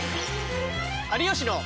「有吉の」。